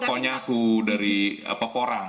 pokoknya aku dari peporang